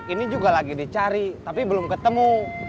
ini juga lagi dicari tapi belum ketemu